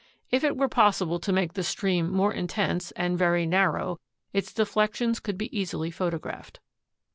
If it were possible to make the stream more in tense and very narrow, its deflections could be easily photographed.